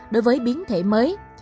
đối với biến thể mới